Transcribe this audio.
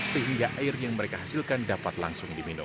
sehingga air yang mereka hasilkan dapat langsung diminum